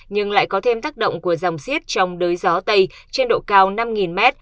nhưng lại có thêm tác động của dòng siết trong đới gió tây trên độ cao năm m